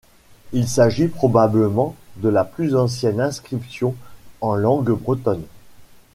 Il s'agit probablement de la plus ancienne inscription en langue bretonne.